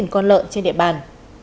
ba mươi sáu con lợn trên địa bàn